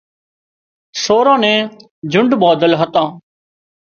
سوران نين جنڍ ٻانڌل هتان